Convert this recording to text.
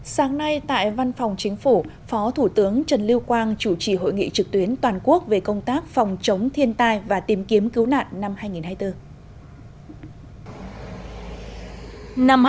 sáng nay tại văn phòng chính phủ phó thủ tướng trần lưu quang chủ trì hội nghị trực tuyến toàn quốc về công tác phòng chống thiên tai và tìm kiếm cứu nạn năm hai nghìn hai mươi bốn